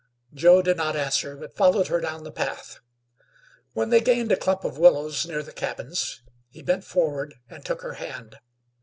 Joe did not answer; but followed her down the path. When they gained a clump of willows near the cabins he bent forward and took her hand.